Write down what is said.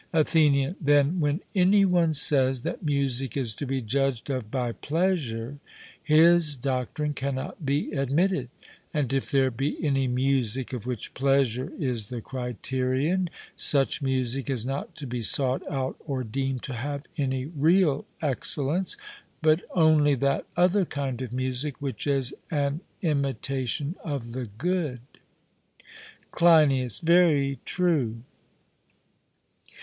ATHENIAN: Then, when any one says that music is to be judged of by pleasure, his doctrine cannot be admitted; and if there be any music of which pleasure is the criterion, such music is not to be sought out or deemed to have any real excellence, but only that other kind of music which is an imitation of the good. CLEINIAS: Very true.